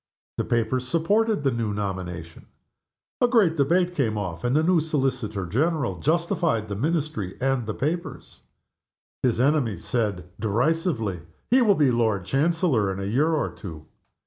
The papers supported the new nomination. A great debate came off, and the new Solicitor General justified the Ministry and the papers. His enemies said, derisively, "He will be Lord Chancellor in a year or two!"